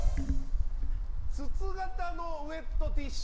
筒形のウェットティッシュ